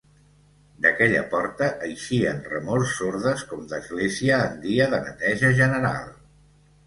D'aquella porta eixien remors sordes com d'església en dia de neteja general.